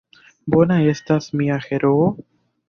Bona estas mia heroo?